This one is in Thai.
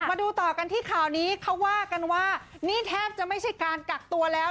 มาดูต่อกันที่ข่าวนี้เขาว่ากันว่านี่แทบจะไม่ใช่การกักตัวแล้ว